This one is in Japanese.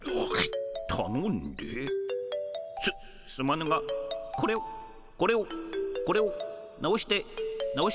すすまぬがこれをこれをこれを直して直して。